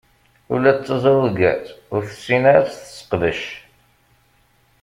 Ula d taẓrudiyat ur tessin ara ad tt-tesseqbec.